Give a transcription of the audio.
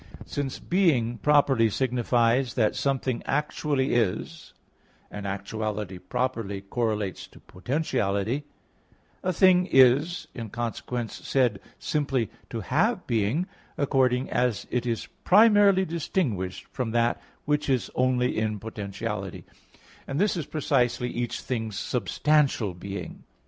Since being properly signifies that something actually is, and actuality properly correlates to potentiality; a thing is, in consequence, said simply to have being, accordingly as it is primarily distinguished from that which is only in potentiality; and this is precisely each thing's substantial being.